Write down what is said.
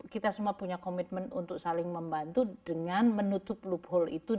kita semua punya komitmen untuk saling membantu dengan menutup loophole itu